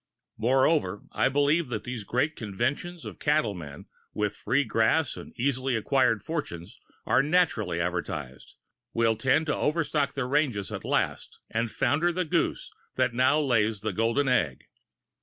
Moreover, I believe that these great conventions of cattlemen, where free grass and easily acquired fortunes are naturally advertised, will tend to overstock the ranges at last and founder the goose that now lays the golden egg.